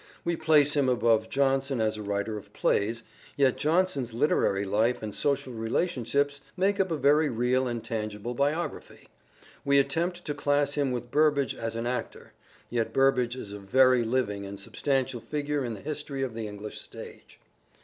We place him above Jonson as a writer of plays, yet Jonson's literary life and social relationships make up a very real and tangible biography. We attempt to class him with Burbage as an actor, yet Burbage is a very 88 " SHAKESPEARE " IDENTIFIED living and substantial figure in the history of the English stage.